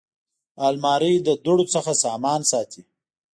الماري د دوړو څخه سامان ساتي